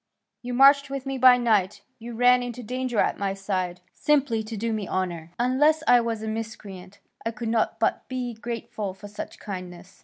You marched with me by night, you ran into danger at my side, simply to do me honour. Unless I were a miscreant, I could not but be grateful for such kindness.